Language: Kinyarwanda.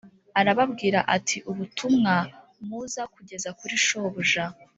arababwira ati «Ubutumwa muza kugeza kuri shobuja